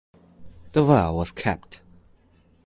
The well was capped.